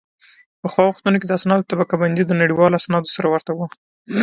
په پخوا وختونو کې د اسنادو طبقه بندي د نړیوالو اسنادو سره ورته وه